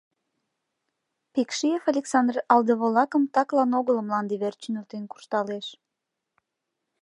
— Пекшиев Александр алдыволакым таклан огыл мланде верч нӧлтен куржталеш.